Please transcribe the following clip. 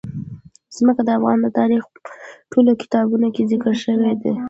ځمکه د افغان تاریخ په ټولو کتابونو کې ذکر شوی دي.